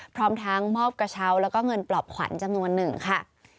พร้อมทั้งมอบกระเช้าแล้วก็เงินปลอบขวัญจำนวนหนึ่งค่ะ